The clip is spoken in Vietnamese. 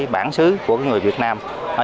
bản xứ của người việt nam